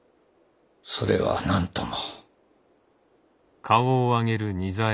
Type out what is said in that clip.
それは何とも。